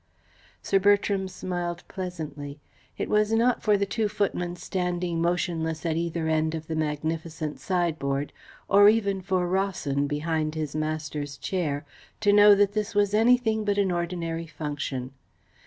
Sir Bertram smiled pleasantly. It was not for the two footmen standing motionless at either end of the magnificent sideboard, or even for Rawson behind his master's chair, to know that this was anything but an ordinary function.